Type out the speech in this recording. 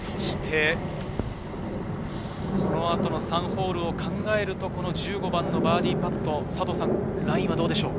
この後の３ホールを考えると１５番のバーディーパット、ラインはどうでしょう？